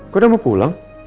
kok udah mau pulang